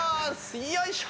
よいしょ